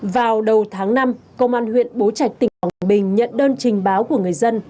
vào đầu tháng năm công an huyện bố trạch tỉnh quảng bình nhận đơn trình báo của người dân